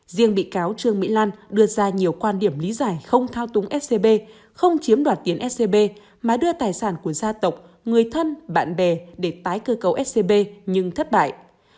riêng bị cáo trương mỹ lan đưa ra nhiều quan điểm lý giải không thao túng scb không chiếm đoạt tiền scb mà đưa tài sản của gia tộc người thân bạn bè để tái cơ cấu scb nhưng thất bại